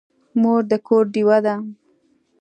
مور د کور ډېوه ده.